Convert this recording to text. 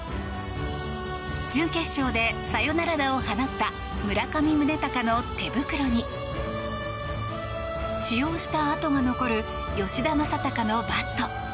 準決勝でサヨナラ打を放った村上宗隆の手袋に使用した跡が残る吉田正尚のバット。